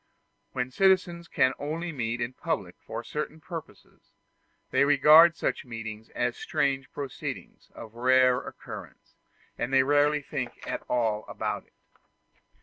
When citizens can only meet in public for certain purposes, they regard such meetings as a strange proceeding of rare occurrence, and they rarely think at all about it.